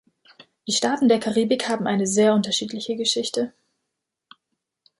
Die Staaten der Karibik haben eine sehr unterschiedliche Geschichte.